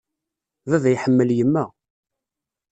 Baba iḥemmel yemma.